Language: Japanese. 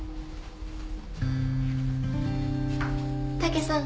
武さん